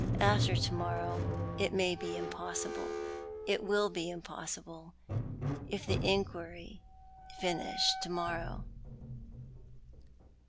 After to morrow it may be impossible ; it will be impossible if the inquiry linish to morrow."